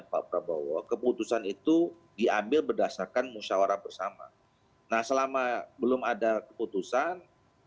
pak prabowo keputusan itu diambil berdasarkan musyawarah bersama nah selama belum ada keputusan